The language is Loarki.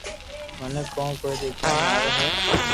منو ڪون ڪوئي ديکيا ۾ آوي ھي